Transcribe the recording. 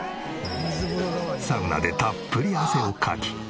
サウナでたっぷり汗をかき。